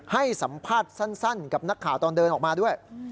ให้สัมภาษณ์สั้นกับนักข่าวตอนเดินออกมาด้วย